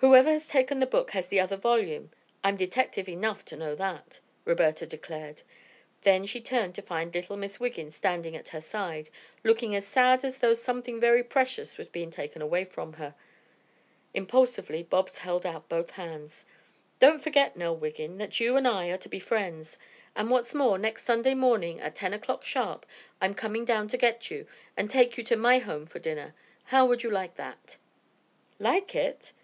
"Whoever has taken the book has the other volume. I'm detective enough to know that," Roberta declared. Then she turned to find little Miss Wiggin standing at her side looking as sad as though something very precious was being taken away from her. Impulsively Bobs held out both hands. "Don't forget, Nell Wiggin, that you and I are to be friends, and what's more, next Sunday morning at ten o'clock sharp I'm coming down to get you and take you to my home for dinner. How would you like that?" "Like it?"